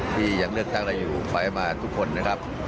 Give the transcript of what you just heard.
ที่ยังเลือกตั้งและอยู่ไปมาทุกคนนะครับ